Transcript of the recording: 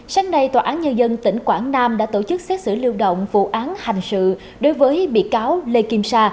sáng nay tòa án nhân dân tỉnh quảng nam đã tổ chức xét xử lưu động vụ án hành sự đối với bị cáo lê kim sa